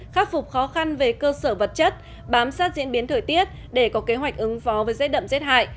khắc phục khó khăn về cơ sở vật chất bám sát diễn biến thời tiết để có kế hoạch ứng phó với rét đậm rét hại